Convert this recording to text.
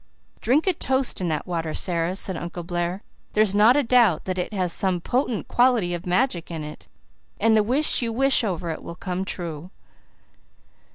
"Drink a toast in that water, Sara," said Uncle Blair. "There's not a doubt that it has some potent quality of magic in it and the wish you wish over it will come true."